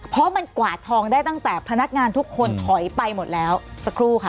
เพราะมันกวาดทองได้ตั้งแต่พนักงานทุกคนถอยไปหมดแล้วสักครู่ค่ะ